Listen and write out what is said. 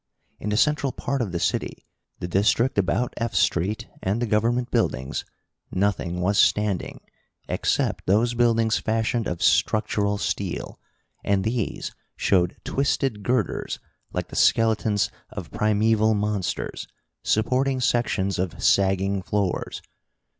In the central part of the city, the district about F Street and the government buildings, nothing was standing, except those buildings fashioned of structural steel, and these showed twisted girders like the skeletons of primeval monsters, supporting sections of sagging floors.